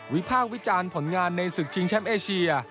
ภาควิจารณ์ผลงานในศึกชิงแชมป์เอเชีย